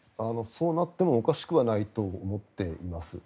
そうなってもおかしくはないと思っています。